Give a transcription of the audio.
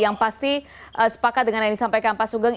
yang pasti sepakat dengan yang disampaikan pak sugeng